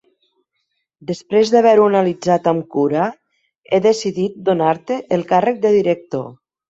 Després d'haver-ho analitzat amb cura, he decidit donar-te el càrrec de director.